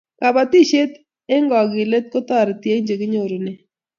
kabatishiet eng' kakilet ko tareti eng chekinyorune